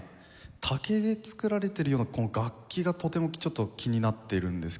竹で作られてるような楽器がとてもちょっと気になっているんですけども。